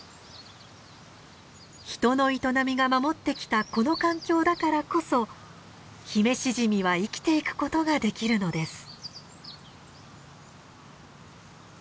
人の営みが守ってきたこの環境だからこそヒメシジミは生きていくことができるのです。